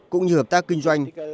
cũng như hợp tác kinh doanh